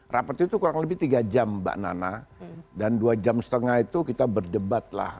rapat itu kurang lebih tiga jam mbak nana dan dua jam setengah itu kita berdebat lah